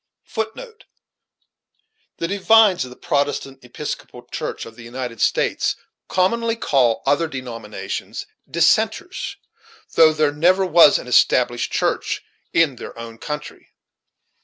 * The divines of the Protestant Episcopal Church of the United States commonly call other denominations Dissenters, though there never was an established church in their own country!